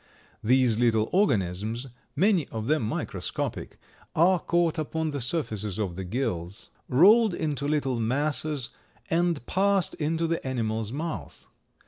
These little organisms, many of them microscopic, are caught upon the surfaces of the gills, rolled into little masses, and passed into the animal's mouth.